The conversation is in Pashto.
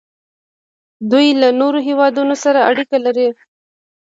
دوی له نورو هیوادونو سره اړیکې لري.